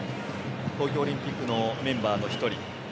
東京オリンピックのメンバーの１人。